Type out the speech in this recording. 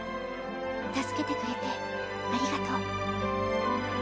助けてくれてありがとう。